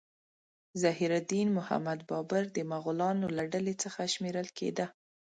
ظهیر الدین محمد بابر د مغولانو له ډلې څخه شمیرل کېده.